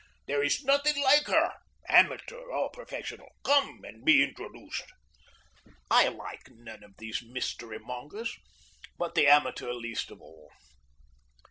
There is nothing like her, amateur or professional. Come and be introduced!" I like none of these mystery mongers, but the amateur least of all.